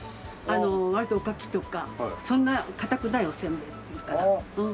あの割とおかきとかそんな硬くないおせんべいっていうかな。